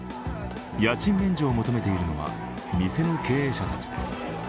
家賃免除を求めているのは店の経営者たちです。